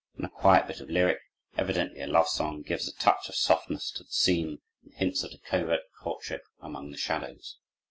Then a quiet bit of lyric, evidently a love song, gives a touch of softness to the scene, and hints at a covert courtship among the shadows.